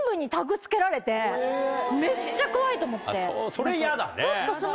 それやだね。